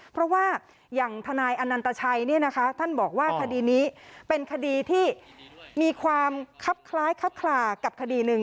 เพราะว่าอย่างทนายอนันตชัยท่านบอกว่าคดีนี้เป็นคดีที่มีความคับคล้ายคับคลากับคดีหนึ่ง